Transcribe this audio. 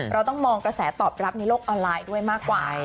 เราต้องมองกระแสตอบรับในโลกออนไลน์ด้วยมากกว่า